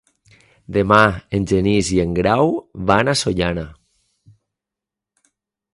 Demà en Genís i en Grau van a Sollana.